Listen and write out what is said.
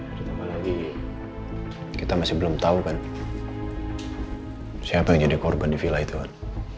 terutama lagi kita masih belum tahu kan siapa yang jadi korban di villa itu kan